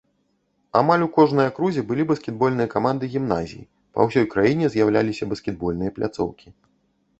Амаль у кожнай акрузе былі баскетбольныя каманды гімназій, па ўсёй краіне з'яўляліся баскетбольныя пляцоўкі.